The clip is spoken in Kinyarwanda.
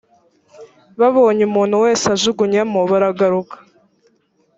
babonye umuntu wese ajugunyamo baragaruka.